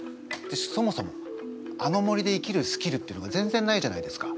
そもそもあの森で生きるスキルっていうのが全然ないじゃないですか。